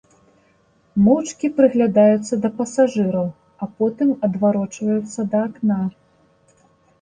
Моўчкі прыглядаюцца да пасажыраў, а потым адварочваюцца да акна.